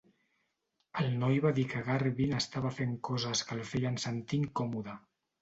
El noi va dir que Garvin estava fent coses que el feien sentir incòmode.